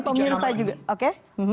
pemirsa juga oke